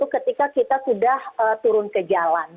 ketika kita sudah turun ke jalan